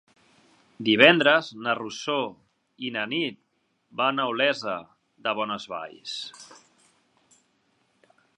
Divendres na Rosó i na Nit van a Olesa de Bonesvalls.